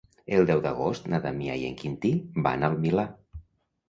El deu d'agost na Damià i en Quintí van al Milà.